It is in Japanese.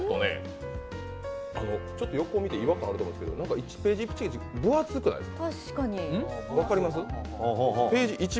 横を見て違和感あると思うんですけど、１ページ１ページ分厚くないですか。